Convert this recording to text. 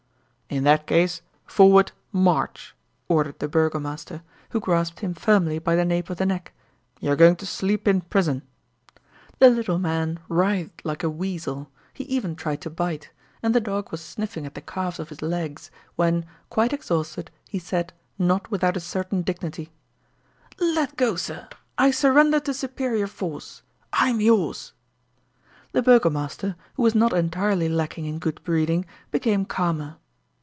"In that case, forward, march," ordered the burgomaster, who grasped him firmly by the nape of the neck; "you are going to sleep in prison." The little man writhed like a weasel; he even tried to bite, and the dog was sniffing at the calves of his legs, when, quite exhausted, he said, not without a certain dignity: "Let go, sir, I surrender to superior force I'm yours!" The burgomaster, who was not entirely lacking in good breeding, became calmer.